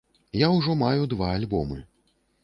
Я ўжо маю два альбомы.